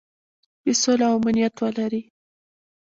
چې سوله او امنیت ولري.